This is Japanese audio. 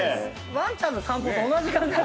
ワンちゃんの散歩と同じ感覚。